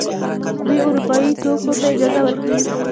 دوی اروپايي توکو ته اجازه ورکړي.